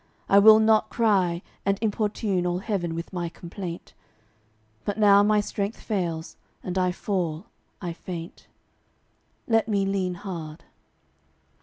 I will not cry And importune all heaven with my complaint. But now my strength fails, and I fall, I faint: Let me lean hard.